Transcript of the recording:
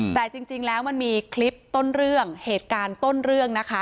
แต่จริงแล้วมันมีคลิปต้นเรื่องเหตุการณ์ต้นเรื่องนะคะ